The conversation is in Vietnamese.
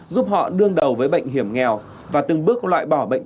giúp họ đương đầu với bệnh hiểm nghèo và từng bước loại bỏ bệnh